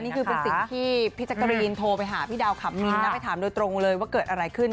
นี่คือเป็นสิ่งที่พี่แจ๊กกะรีนโทรไปหาพี่ดาวขำมินนะไปถามโดยตรงเลยว่าเกิดอะไรขึ้น